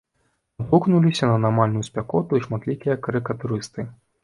Адгукнуліся на анамальную спякоту і шматлікія карыкатурысты.